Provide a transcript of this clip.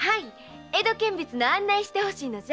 江戸見物の案内をして欲しいのや。